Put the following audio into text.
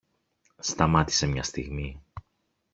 Σταμάτησε μια στιγμή.